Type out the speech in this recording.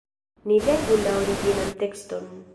Ni legu la originan tekston.